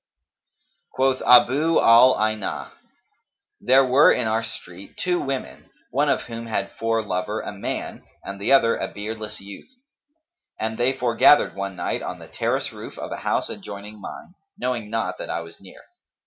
Quoth Abu al Aynα, "There were in our street two women, one of whom had for lover a man and the other a beardless youth, and they foregathered one night on the terrace roof of a house adjoining mine, knowing not that I was near.